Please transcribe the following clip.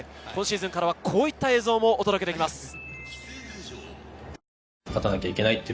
今シーズンからはこういった映像もお届けできます。